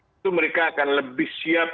itu mereka akan lebih siap